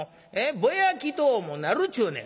ぼやきとうもなるっちゅうねん！